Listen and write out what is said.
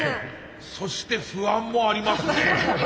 そして不安もありますね。